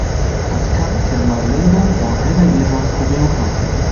Pasquale Camerlengo war einer ihrer Choreographen.